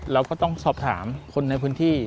เราก็ต้องสอบถามคนในพื้นที่